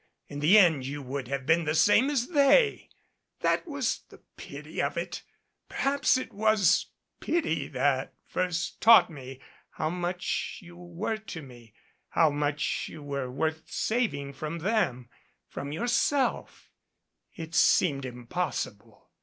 In the end you would have been the same as they. That was the pity of it. Perhaps it was pity that first taught me how much you were to me how much you were worth saving from them from yourself. 178 PERE GUEGOU'S ROSES It seemed impossible.